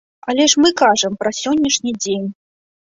Але мы ж кажам пра сённяшні дзень.